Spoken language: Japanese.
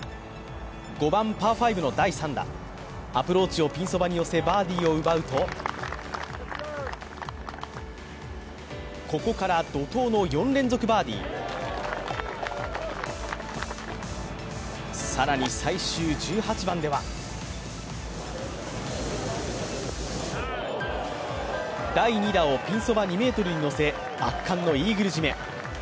５番パー５の第３打席、アプローチをピンそばに寄せバーディーを奪うとここから怒とうの４連続バーディー更に最終１８番では第２打をピンそば２ｍに寄せ圧巻のイーグル締め。